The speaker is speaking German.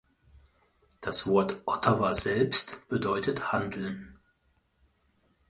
Das Wort Ottawa selbst bedeutet "handeln".